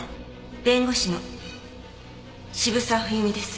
弁護士の渋沢冬水です。